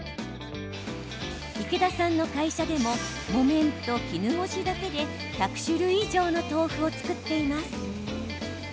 池田さんの会社でも木綿と絹ごしだけで１００種類以上の豆腐を作っています。